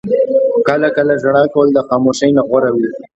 • کله کله ژړا کول د خاموشۍ نه غوره وي.